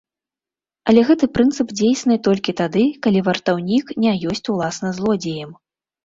Але гэты прынцып дзейсны толькі тады, калі вартаўнік не ёсць уласна злодзеем.